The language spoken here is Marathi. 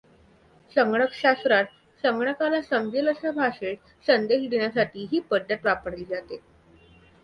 संगणक शास्त्रात, संगणकाला समजेल अशा भाषेत संदेश देण्यासाठी ही पद्धत वापरली जाते.